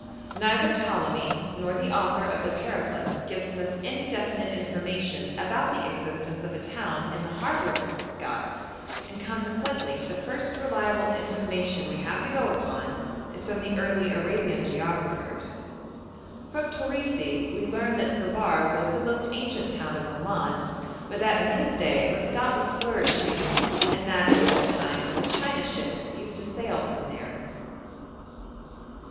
Neither Ptolemy nor the author of the 'Periplus' gives us any definite information about the existence of a town in the harbour of Maskat, and consequently the first reliable information we have to go upon is from the early Arabian geographers. From Torisi we learn that Sobar was the most ancient town of Oman; but that in his day Maskat was flourishing, and that 'in old times the China ships used to sail from there.'